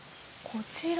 こちら。